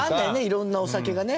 いろんなお酒がね。